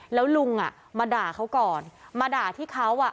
แล้วลุงอ่ะมาด่าเขาก่อนมาด่าที่เขาอ่ะ